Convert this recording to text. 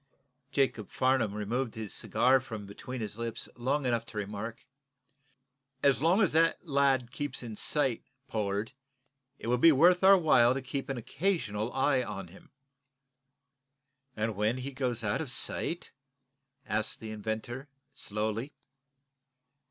Jacob Farnum removed his cigar from between his lips long enough to remark: "As long as the lad keeps in sight, Pollard, it will be worth our while to keep an occasional eye on him." "And when he goes out of sight ? asked the inventor, slowly.